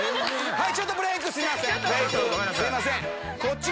はい！